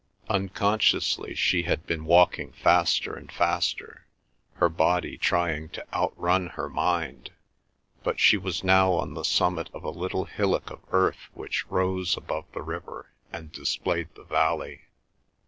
Unconsciously she had been walking faster and faster, her body trying to outrun her mind; but she was now on the summit of a little hillock of earth which rose above the river and displayed the valley.